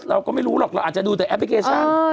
เราก็ไม่รู้หรอกเราอาจจะดูแต่แอปพลิเคชัน